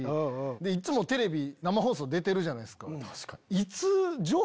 いつもテレビ生放送出てるじゃないですか。